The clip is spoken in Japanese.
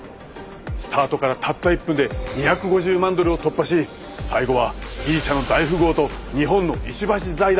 スタートからたった１分で２５０万ドルを突破し最後はギリシャの大富豪と日本の石橋財団の一騎打ちだ！